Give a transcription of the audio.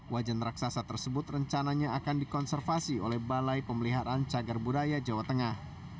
wajan raksasa tersebut rencananya akan dikonservasi oleh balai pemeliharaan cagar budaya jawa tengah